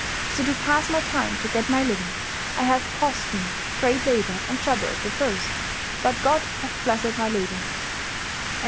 So, to passe my time to get my liuing, it hath cost mee great labour and trouble at the first, but God hath blessed my labour."